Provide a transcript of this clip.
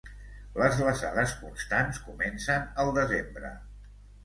Les glaçades constants comencen al desembre.